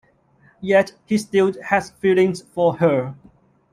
Yet, he still has feelings for her.